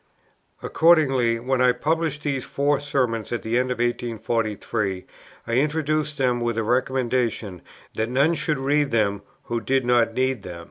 Accordingly, when I published these Four Sermons at the end of 1843, I introduced them with a recommendation that none should read them who did not need them.